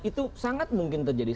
itu sangat mungkin terjadi